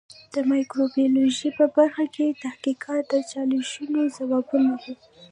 د مایکروبیولوژي په برخه کې تحقیقات د چالشونو ځوابونه دي.